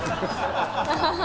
「ハハハ！」